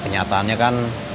terkena curah kab cleveland